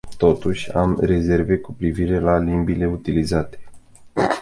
Totuși, am rezerve cu privire la limbile utilizate.